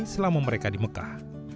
selama mereka di mekah